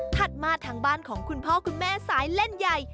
มาทางบ้านของคุณพ่อคุณแม่สายเล่นใหญ่